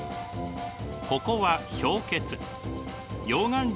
ここは氷穴。